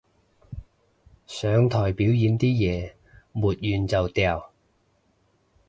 上台表演啲嘢抹完就掉